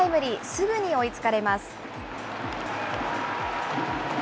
すぐに追いつかれます。